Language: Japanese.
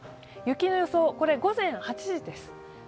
雪の予想、これは午前８時です。